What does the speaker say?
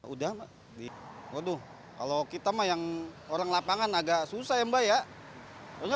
udah kalau kita yang orang lapangan agak susah ya mbak ya